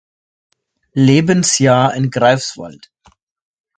Lebensjahr in Greifswald.